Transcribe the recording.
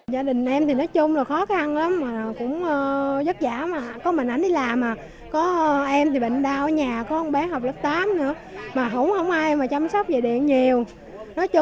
gia đình em thì nói chung là khó khăn lắm mà cũng vất vả mà có mình ăn đi làm mà có em thì bệnh đau ở nhà có ông bé học lớp tám nữa mà không ai mà chăm sóc về điện nhiều